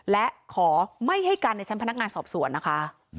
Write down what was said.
และขอไม่ให้การในชั้นพนักงานสอบสวนนะคะ